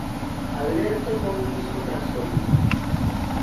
Alberto pon un disco tras outro.